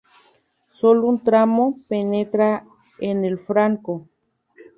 Solo un tramo penetra en El Franco.